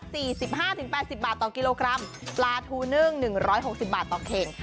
สิบห้าถึงแปดสิบบาทต่อกิโลกรัมปลาทูนึ่งหนึ่งร้อยหกสิบบาทต่อเข่ง